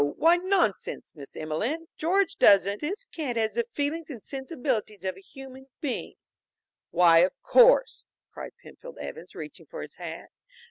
Why nonsense, Miss Emelene! George doesn't " "This cat has the feelings and sensibilities of a human being." "Why of course," cried Penfield Evans, reaching for his hat.